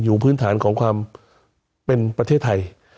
พื้นฐานของความเป็นประเทศไทย